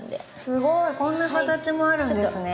すごいこんな形もあるんですね。